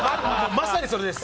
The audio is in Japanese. まさにそれです。